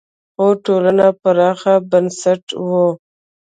خو ټولنه پراخ بنسټه وه.